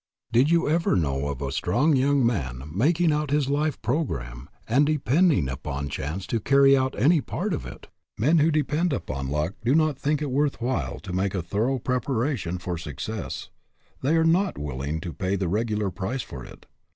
Did you ever know of a strong young man making out his life programme and depending upon chance to carry out any part of it ? Men who depend upon luck do not think it worth while to make a thorough preparation for suc cess. They are not willing to pay the regular price for it.